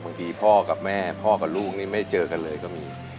บางทีพ่อกับแม่พ่อกับลูกไม่เจอกันเลยก็มี